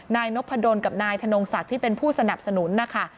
นายนพดลกับนายธนงศักดิ์ที่เป็นผู้สนับสนุนนะคะ